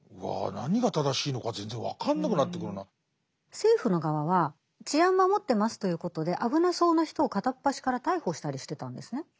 政府の側は治安守ってますということで危なそうな人を片っ端から逮捕したりしてたんですね。